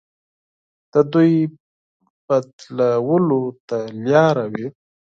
د دوی بدلولو ته لاره وي.